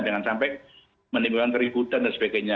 dengan sampai menimbulkan keributan dan spekulasi